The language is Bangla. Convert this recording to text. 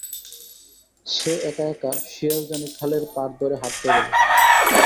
সে এক-একা শিয়ালজানি খালের পাড় ধরে হাঁটতে গেল।